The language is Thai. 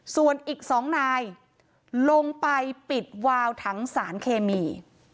ส่วนอีก๒นายลงไปปิดวาวถังสารเคมี